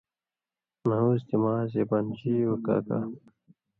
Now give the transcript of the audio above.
معوذ تے معاذے بان جی او کاکا